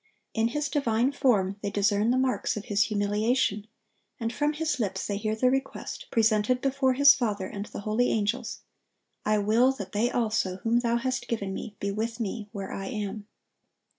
In His divine form they discern the marks of His humiliation; and from His lips they hear the request, presented before His Father and the holy angels, "I will that they also, whom Thou hast given Me, be with Me where I am."